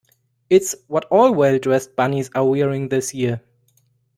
It's what all well-dressed bunnies are wearing this year.